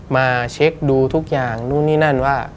มาเช็คดูทุกอย่างนู่นนี่นั่นว่า